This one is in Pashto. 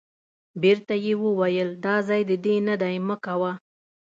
بیرته یې وویل دا ځای د دې نه دی مه کوه.